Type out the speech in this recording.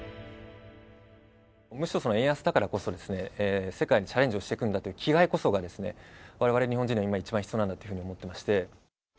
むしろ円安だからこそ、世界にチャレンジをしていくんだという気概こそが、われわれ日本人に今一番必要なんだっていうふうに思ってまして。